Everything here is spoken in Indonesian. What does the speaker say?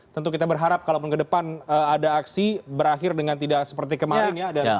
tentu kita berharap kalaupun ke depan ada aksi berakhir dengan tidak seperti kemarin ya